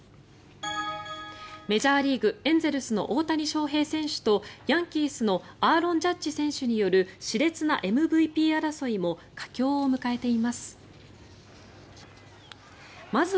メジャーリーグ、エンゼルスの大谷翔平選手とヤンキースのアーロン・ジャッジ選手による熾烈なＭＶＰ争いも佳境を迎えています。